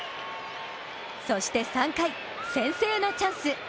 そして３回、先制のチャンス。